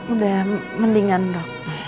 udah mendingan dok